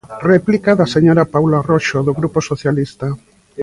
Réplica da señora Paulo Arroxo, do Grupo Socialista.